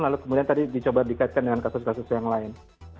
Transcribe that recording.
lalu kemudian tadi dicoba dikaitkan dengan kasus kasus yang lain